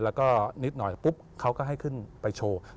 แล้วก็นิดหน่อยปุ๊บเขาก็ให้ขึ้นไปโชว์